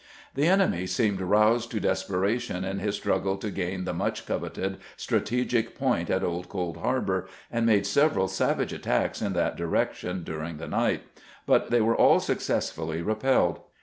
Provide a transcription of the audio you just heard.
The enemy seemed roused to desperation in his strug gle to gain the much coveted strategic point at Old Cold Harbor, and made several savage attacks in that direc tion during the night; but they were all successfully repelled.